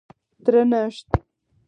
درنښت